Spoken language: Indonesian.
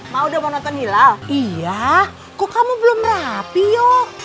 mau udah mau nonton hilal iya kok kamu belum rapi yuk